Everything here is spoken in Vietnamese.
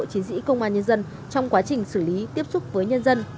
chiến sĩ công an nhân dân trong quá trình xử lý tiếp xúc với nhân dân